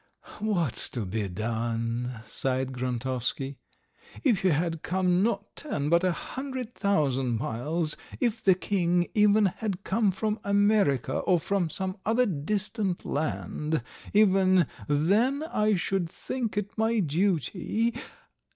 "What's to be done?" sighed Grontovsky. "If you had come not ten but a hundred thousand miles, if the king even had come from America or from some other distant land, even then I should think it my duty